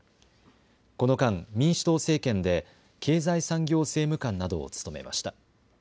この間、民主党政権で経済産業政務官などを務めました。